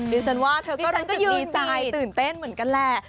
ดิฉันว่าเธอก็ตื่นเต้นเหมือนกันแหละ